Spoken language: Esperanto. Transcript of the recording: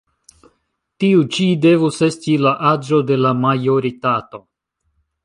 Tiu ĉi devus esti la aĝo de la majoritato».